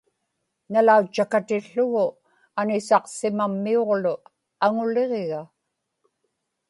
nalautchakatiłługu anisaqsimammiuġlu aŋuliġiga